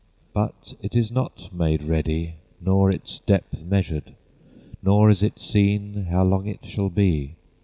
But it is not made ready, Nor its depth measured, Nor is it seen How long it shall be.